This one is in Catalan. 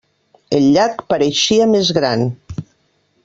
El llac pareixia més gran.